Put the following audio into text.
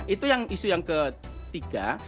itu yang isu yang ketiga